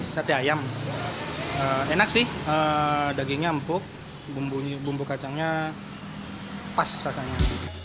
sate ayam enak sih dagingnya empuk bumbu kacangnya pas rasanya